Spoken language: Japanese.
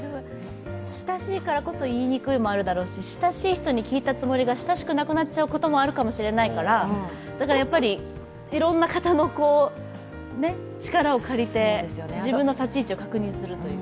親しいからこそ言いにくいのもあるだろうし親しい人に聞いたつもりが、親しくなくなっちゃうこともあるからだから、いろんな方の力を借りて、自分の立ち位置を確認するという。